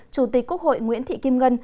chủ tịch quốc hội nguyễn thị kim ngân